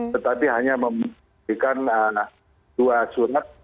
tetapi hanya memberikan dua surat